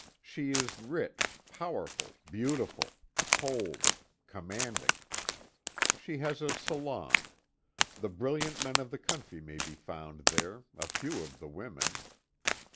She is rich, powerful, beautiful, cold, commanding. She has a salon. The brilliant men of the country may be found there, a few of the women.